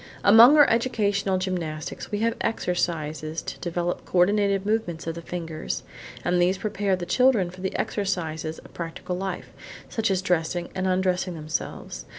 Among our educational gymnastics we have exercises to develop co ordinated movements of the fingers, and these prepare the children for the exercises of practical life, such as dressing and undressing themselves.